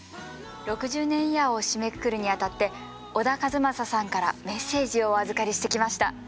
６０年イヤーを締めくくるにあたって小田和正さんからメッセージをお預かりしてきました。